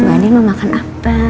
mbak dek mau makan apa